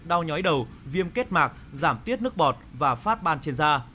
đau nhói đầu viêm kết mạc giảm tiết nước bọt và phát ban trên da